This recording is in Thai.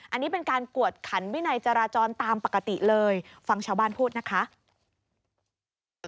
อันนี้เป็นการกวดขันวินัยจราจรตามปกติเลยฟังชาวบ้านพูดนะคะ